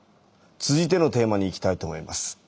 続いてのテーマにいきたいと思います。